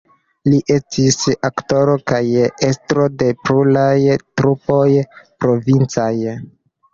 Li estis aktoro kaj estro de pluraj trupoj provincaj.